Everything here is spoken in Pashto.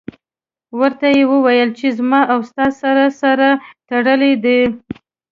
ورته یې وویل چې زما او ستا سر سره تړلی دی.